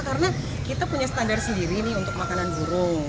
karena kita punya standar sendiri nih untuk makanan burung